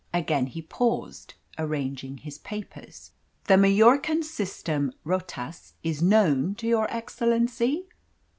Again he paused, arranging his papers. "The Majorcan system 'rotas' is known to your excellency?"